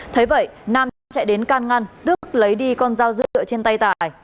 thế vậy nam chạy đến can ngăn tước lấy đi con dao dựa trên tàu